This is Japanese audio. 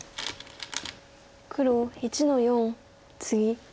黒１の四ツギ。